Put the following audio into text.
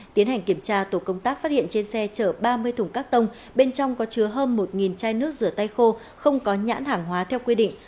tiến hành kiểm tra tổ công tác phát hiện trên xe chở ba mươi thùng các tông bên trong có chứa hơn một chai nước rửa tay khô không có nhãn hàng hóa theo quy định